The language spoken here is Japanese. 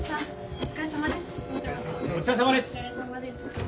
お疲れさまです。